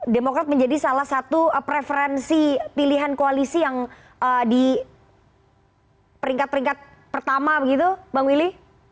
demokrat menjadi salah satu preferensi pilihan koalisi yang di peringkat peringkat pertama begitu bang willy